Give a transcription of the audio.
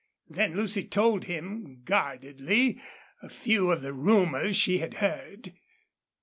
Then Lucy told him, guardedly, a few of the rumors she had heard.